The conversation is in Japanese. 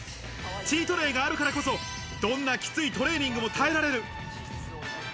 チートデイがあるからこそ、どんなきついトレーニングも耐えられる。